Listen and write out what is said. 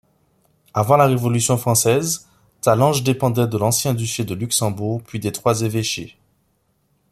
Avant la Révolution française, Talange dépendait de l’ancien duché de Luxembourg puis des Trois-Évêchés.